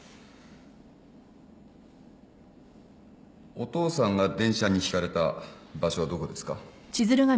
お父さんが電車にひかれた場所はどこですか？